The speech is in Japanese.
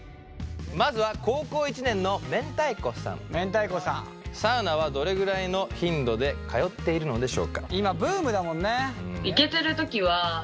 まずは高校１年のサウナはどれぐらいの頻度で通っているのでしょうか？